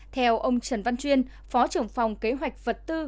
theo ông trần văn chuyên phó trưởng phòng kế hoạch vật tư